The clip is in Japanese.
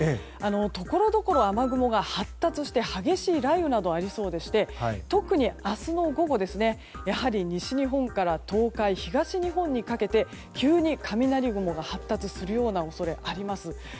ところどころ雨雲が発達して激しい雷雨などがありそうでして特に明日の午後、やはり西日本から東海、東日本にかけて急に雷雲が発達するような恐れがあります。